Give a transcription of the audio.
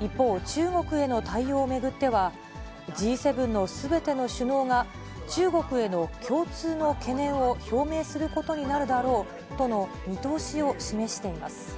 一方、中国への対応を巡っては、Ｇ７のすべての首脳が中国への共通の懸念を表明することになるだろうとの見通しを示しています。